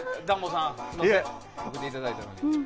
送っていただいたのに。